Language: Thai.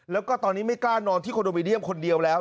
แล้วก็ตอนนี้ไม่กล้านอนที่คอนโดมิเนียมคนเดียวแล้ว